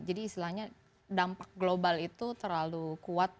istilahnya dampak global itu terlalu kuat